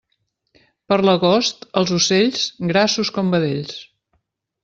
Per l'agost, els ocells, grassos com vedells.